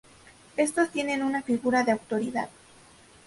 Estos tienen una figura de autoridad.